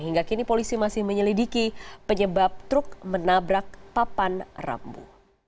hingga kini polisi masih menyelidiki penyebab truk menabrak papan rambu